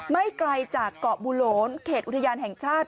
ไม่ไกลจากเกาะบูโหลนเขตอุทยานแห่งชาติ